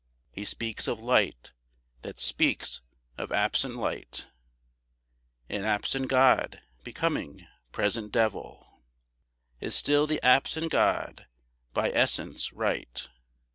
He speaks of light that speaks of absent light, And absent god, becoming present devil, Is still the absent god by essence' right.